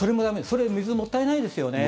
それ、水もったいないですよね。